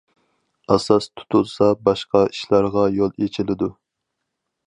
ئاساس تۇتۇلسا، باشقا ئىشلارغا يول ئېچىلىدۇ.